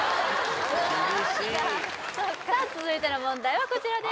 厳しいそっかさあ続いての問題はこちらです